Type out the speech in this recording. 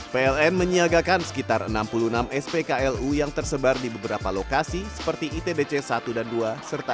pln menyiagakan sekitar enam puluh enam spklu yang tersebar di beberapa lokasi seperti itdc satu dan dua serta